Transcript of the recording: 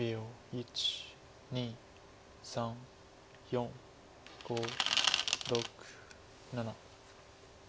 １２３４５６７。